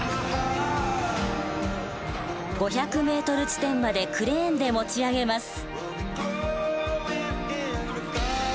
５００ｍ地点までクレーンで持ち上げます。